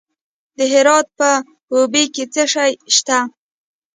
د هرات په اوبې کې څه شی شته؟